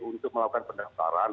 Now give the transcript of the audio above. untuk melakukan pendaftaran